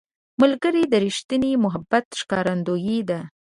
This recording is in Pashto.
ملګری د ریښتیني محبت ښکارندوی دی